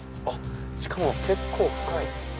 しかも結構深い。